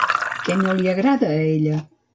Què no li agrada a ella?